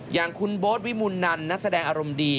อย่างคุณโบ๊ทวิมูลนันนักแสดงอารมณ์ดี